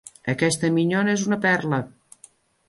Aquesta minyona és una perla.